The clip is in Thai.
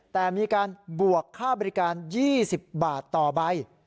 แต่มีการบวกค่าบริการ๒๐บาทต่อใบ